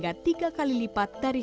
yang kepuasan itu